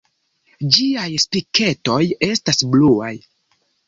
Ĝiaj spiketoj estas bluaj.